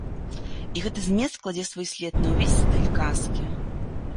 І гэты змест кладзе свой след на ўвесь стыль казкі.